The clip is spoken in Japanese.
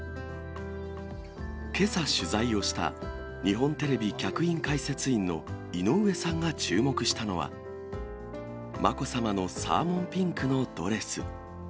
けさ取材をした日本テレビ客員解説員の井上さんが注目したのは、まこさまのサーモンピンクのドレス。